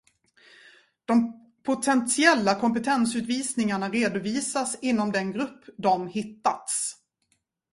De potentiella kompetensutvisningarna redovisas inom den grupp de hittats.